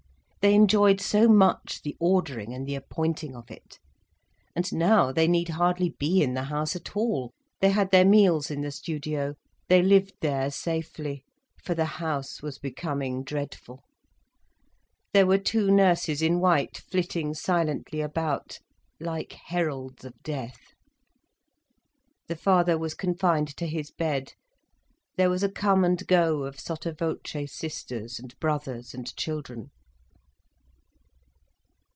They enjoyed so much the ordering and the appointing of it. And now they need hardly be in the house at all. They had their meals in the studio, they lived there safely. For the house was becoming dreadful. There were two nurses in white, flitting silently about, like heralds of death. The father was confined to his bed, there was a come and go of sotto voce sisters and brothers and children.